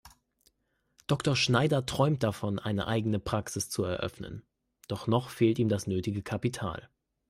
Dr. Schneider träumt davon, eine eigene Praxis zu eröffnen, doch noch fehlt ihm das nötige Kapital.